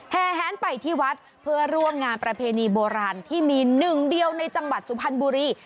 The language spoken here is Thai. แหนไปที่วัดเพื่อร่วมงานประเพณีโบราณที่มีหนึ่งเดียวในจังหวัดสุพรรณบุรี